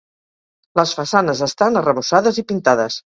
Les façanes estan arrebossades i pintades.